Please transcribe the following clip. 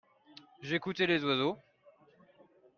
j'écoutais les oiseaux.